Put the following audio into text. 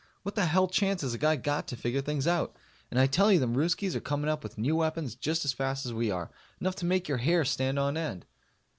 What the hell chance has a guy got to figure things out? And I tell you them Ruskies are coming up with new weapons just as fast as we are. Enough to make your hair stand on end.